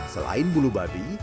selain ulu babi